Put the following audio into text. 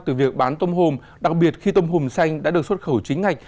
từ việc bán tôm hồn đặc biệt khi tôm hùm xanh đã được xuất khẩu chính ngạch